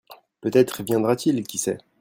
Peut-être viendra-t-il qui sait ?